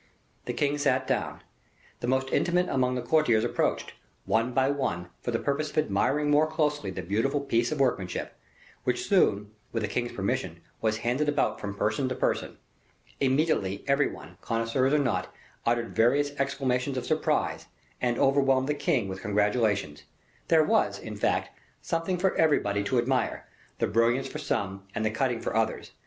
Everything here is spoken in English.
The king sat down. The most intimate among the courtiers approached, one by one, for the purpose of admiring more closely the beautiful piece of workmanship, which soon, with the king's permission, was handed about from person to person. Immediately, every one, connoisseurs or not, uttered various exclamations of surprise, and overwhelmed the king with congratulations. There was, in fact, something for everybody to admire the brilliance for some, and the cutting for others.